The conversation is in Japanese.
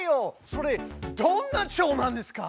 それどんなチョウなんですか？